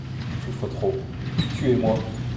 Je souffre trop, tuez-moi!